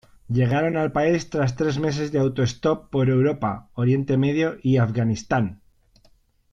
Llegaron al país tras tres meses de autoestop por Europa, Oriente Medio y Afganistán.